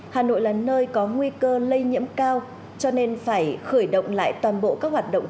hà nội là nơi có nguy cơ lây nhiễm cao cho nên phải khởi động lại toàn bộ các hoạt động